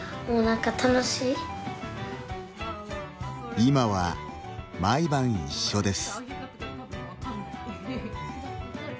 今は、毎晩一緒です。